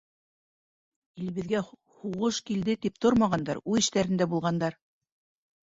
Илебеҙгә һуғыш килде тип тормағандар, үҙ эштәрендә булғандар.